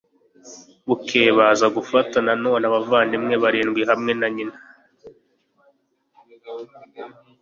bukeye, baza gufata na none abavandimwe barindwi hamwe na nyina